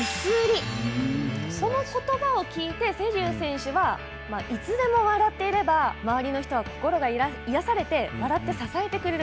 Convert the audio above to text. このことばを聞いて瀬立選手はいつでも笑っていれば周りの人は心が癒やされて笑って支えてくれる。